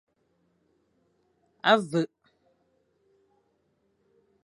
A vek.